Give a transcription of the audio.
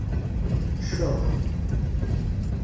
Cceḍ.